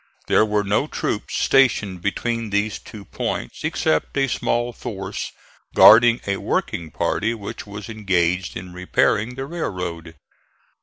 There were no troops stationed between these two points, except a small force guarding a working party which was engaged in repairing the railroad.